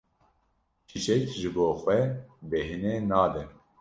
Çîçek ji bo xwe bêhinê nade.